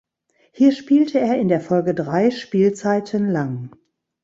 Hier spielte er in der Folge drei Spielzeiten lang.